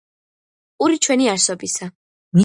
პური ჩვენი არსობისა